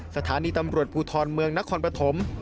สถานีตำรวจภูทรเมืองนครปฐม